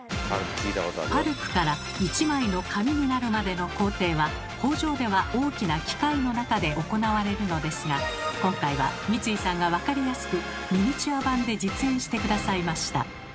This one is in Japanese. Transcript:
パルプから一枚の紙になるまでの工程は工場では大きな機械の中で行われるのですが今回は三井さんがわかりやすくミニチュア版で実演して下さいました。